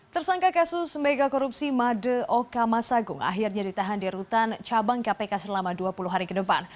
tersangka kasus mega korupsi made oka masagung akhirnya ditahan di rutan cabang kpk selama dua puluh hari ke depan